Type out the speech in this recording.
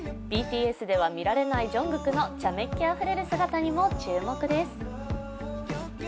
ＢＴＳでは見られないＪＵＮＧＫＯＯＫのちゃめっ気あふれる姿にも注目です。